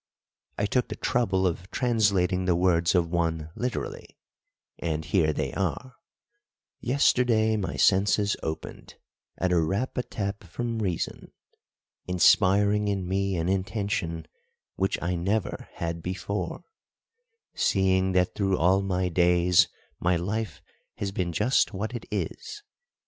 I took the trouble of translating the words of one literally, and here they are: Yesterday my senses opened, At a rap a tap from Reason, Inspiring in me an intention Which I never had before, Seeing that through all my days My life has been just what it is.